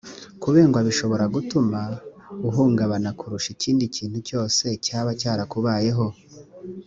kubengwa bishobora gutuma uhungabana kurusha ikindi kintu cyose cyaba cyarakubayeho